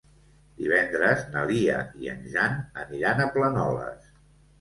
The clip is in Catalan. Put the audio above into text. Divendres na Lia i en Jan aniran a Planoles.